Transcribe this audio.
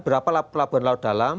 berapa pelabuhan laut dalam